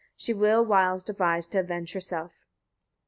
She will wiles devise to avenge herself.